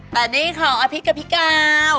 แต่นี่คะพริกกับพี่ก้าว